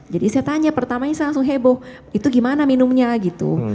jadi saya tanya pertamanya saya langsung heboh itu gimana minumnya gitu